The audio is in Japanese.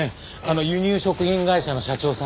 輸入食品会社の社長さん。